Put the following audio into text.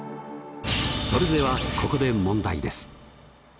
それではここで問題です。